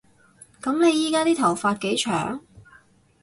噉你而家啲頭髮幾長